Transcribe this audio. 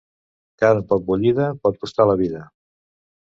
Carn poc bullida pot costar la vida.